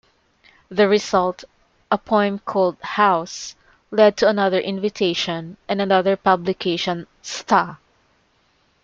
The result, a poem called "house", led to another invitation and another publication "Sta!".